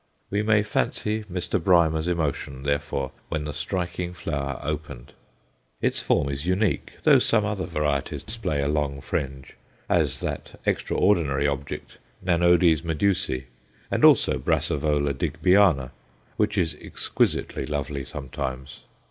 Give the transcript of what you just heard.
We may fancy Mr. Brymer's emotion, therefore, when the striking flower opened. Its form is unique, though some other varieties display a long fringe as that extraordinary object, Nanodes Medusæ, and also Brassavola Digbyana, which is exquisitely lovely sometimes.